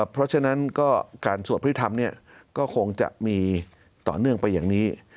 เพราะฉะนั้นก็การสวดพิธรรมก็คงจะมีต่อเนื่องไปอย่างนี้